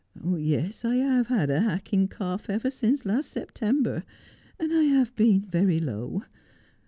' Yes, I have had a hacking cough ever since last September, and I have been very low.